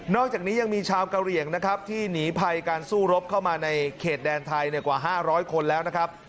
อกจากนี้ยังมีชาวกะเหลี่ยงนะครับที่หนีภัยการสู้รบเข้ามาในเขตแดนไทยกว่า๕๐๐คนแล้วนะครับ